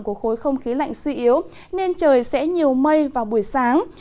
của khối không khí lạnh suy yếu nên trời sẽ nhiều mây vào buổi sáng